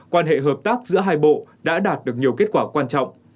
quan hệ hợp tác giữa hai bộ đã đạt được nhiều kết quả quan trọng